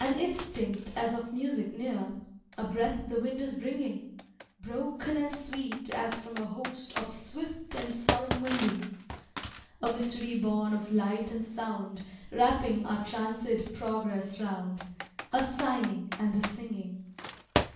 An instinct as of music near A breath the wind is bringing, Broken and sweet, as from a host Of swift and solemn winging A mystery born of light and sound Wrapping our tranced progress round A sighing and a singing!